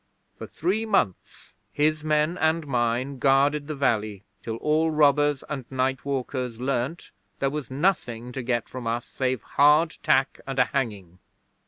For three months his men and mine guarded the valley, till all robbers and nightwalkers learned there was nothing to get from us save hard tack and a hanging.